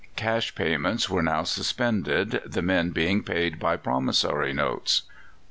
Cash payments were now suspended, the men being paid by promissory notes.